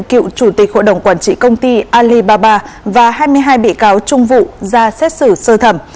cựu chủ tịch hội đồng quản trị công ty alibaba và hai mươi hai bị cáo trung vụ ra xét xử sơ thẩm